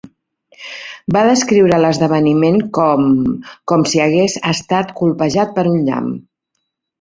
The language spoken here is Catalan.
Va descriure l"esdeveniment com "com si hagués estat colpejat per un llamp".